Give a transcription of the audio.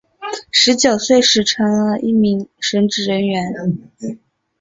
十九岁时成为了一名神职人员。